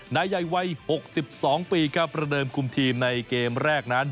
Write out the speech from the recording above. นายใหญ่วัย๖๒ปีครับประเดิมคุมทีมในเกมแรกนั้น